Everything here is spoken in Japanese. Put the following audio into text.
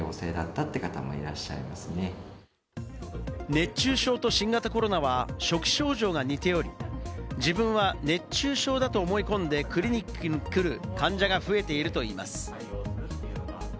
熱中症と新型コロナは初期症状が似ており、自分は熱中症だと思い込んでクリニックに来る患者が増えているといいます。